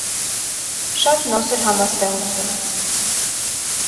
Շատ նոսր համաստեղություն է։